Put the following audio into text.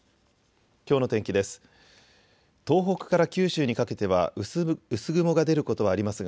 きょうの天気です。